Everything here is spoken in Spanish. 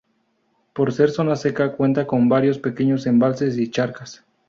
Por ser zona seca, cuenta con varios pequeños embalses y charcas.